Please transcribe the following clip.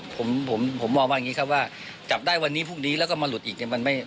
ผมผมมองว่าอย่างนี้ครับว่าจับได้วันนี้พรุ่งนี้แล้วก็มาหลุดอีกเนี่ย